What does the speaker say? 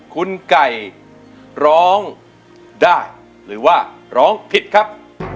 คุณไก่ร้องได้หรือว่าร้องผิดครับ